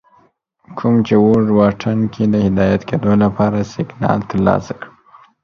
کوم چې اوږد واټن کې د هدایت کېدو لپاره سگنال ترلاسه کوه